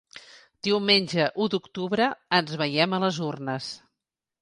Diumenge u d’octubre ens veiem a les urnes.